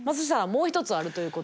もう一つあるということで。